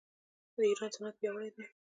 د ایران صنعت پیاوړی دی.